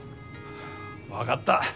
分がった。